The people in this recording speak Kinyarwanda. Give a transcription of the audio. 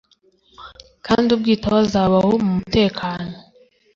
kandi ubwitaho azabaho mu mutekano